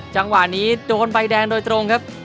จังหวะนี้โดนใบแดงโดยตรงครับ